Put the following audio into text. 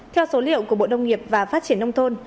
theo số liệu của bộ nông nghiệp và phát triển nông thôn